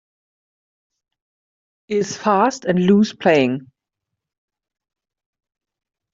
Is Fast and Loose playing